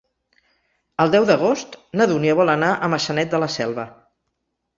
El deu d'agost na Dúnia vol anar a Maçanet de la Selva.